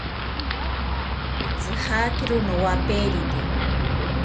Pitzijakiro nowaperite